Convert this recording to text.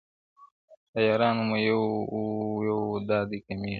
د یارانو مو یو یو دادی کمېږي,